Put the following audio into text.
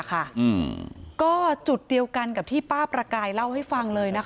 ก็จุดเดียวกันกับที่ป้าประกายเล่าให้ฟังเลย